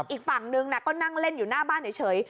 อีกฝั่งนึงก็นั่งเล่นอยู่หน้าบ้านเฉย